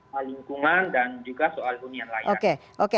soal lingkungan dan juga soal hunian layak